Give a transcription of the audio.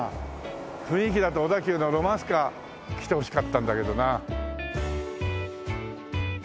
雰囲気だと小田急のロマンスカー来てほしかったんだけどな。